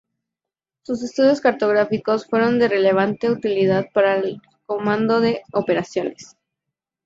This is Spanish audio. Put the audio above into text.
Sus estudios cartográficos fueron de relevante utilidad para el comando de operaciones.